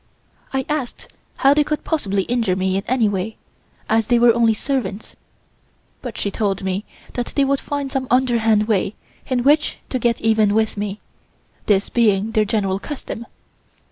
I asked how they could possibly injure me in any way, as they were only servants, but she told me that they would find some underhand way in which to get even with me, this being their general custom.